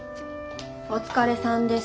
お疲れさんです。